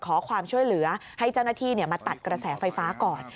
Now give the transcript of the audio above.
ขอความช่วยเหลือให้เจ้าหน้าที่มาตัดกระแสไฟฟ้าก่อน